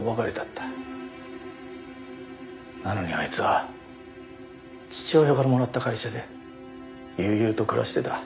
「なのにあいつは父親からもらった会社で悠々と暮らしてた」